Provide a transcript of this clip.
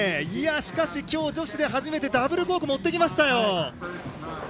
しかし、今日女子で初めてダブルコークを持ってきましたよ。